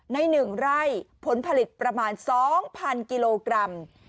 ในหนึ่งไร่ผลผลิตประมาณสองพันกิโลกรัม